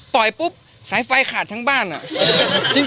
ปล่อยปุ๊บสายไฟขาดทั้งบ้านอะจริง